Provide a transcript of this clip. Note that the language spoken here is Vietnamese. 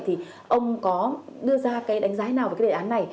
thì ông có đưa ra cái đánh giá nào về cái đề án này